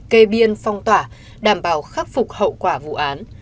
kê biên phong tỏa đảm bảo khắc phục hậu quả vụ án